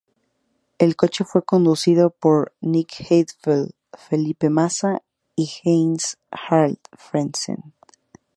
El coche fue conducido por Nick Heidfeld, Felipe Massa y Heinz-Harald Frentzen.